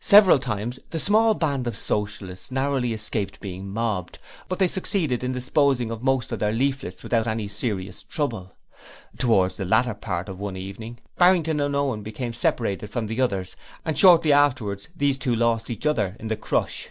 Several times the small band of Socialists narrowly escaped being mobbed, but they succeeded in disposing of most of their leaflets without any serious trouble. Towards the latter part of one evening Barrington and Owen became separated from the others, and shortly afterwards these two lost each other in the crush.